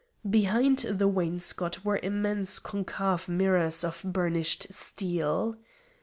Behind the wainscot were immense concave mirrors of burnished steel.